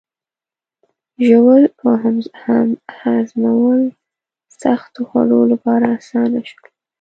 ژوول او هضمول د سختو خوړو لپاره آسانه شول.